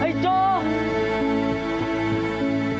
ไอ้โจ๊ก